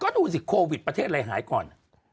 ดูสิโควิดประเทศอะไรหายก่อน